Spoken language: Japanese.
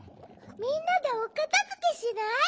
みんなでおかたづけしない？